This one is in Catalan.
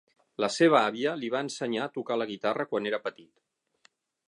La seva àvia li va ensenyar a tocar la guitarra quan era petit.